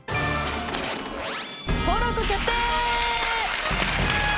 登録決定！